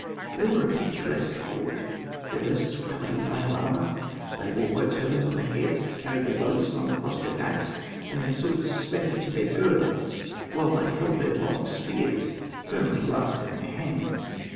They were a picturesque horde; their breasts were covered with mail armor; they wore white turbans on their heads, carried their bows slung across their backs, and their swords suspended to their girdles, while they held their long spears firmly grasped in their hands.